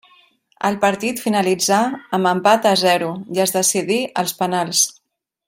El partit finalitzà amb empat a zero i es decidí als penals.